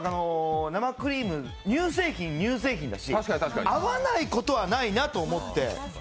乳製品、乳製品だし合わないことはないなと思って。